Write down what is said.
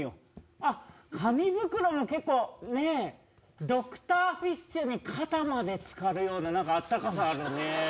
あっ、紙袋も結構、ねぇ、ドクターフィッシュに肩までつかるような、なんかあったかさがあるね。